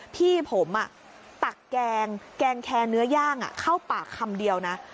พี่ผมตักแกงแกงแคร์เนื้อย่างเข้าปากคำเดียวนะ